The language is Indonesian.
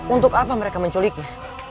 untuk apa mereka menculiknya